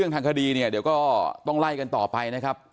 ทางคดีเนี่ยเดี๋ยวก็ต้องไล่กันต่อไปนะครับ